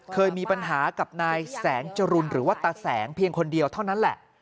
เคยมีปัญหากับนายแสงจรุนหรือว่าตาแสงเพียงคนเดียวเท่านั้นแหละ